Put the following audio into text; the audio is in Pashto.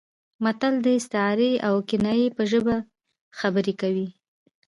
متل د استعارې او کنایې په ژبه خبرې کوي